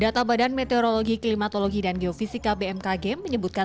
data badan meteorologi klimatologi dan geofisika bmkg menyebutkan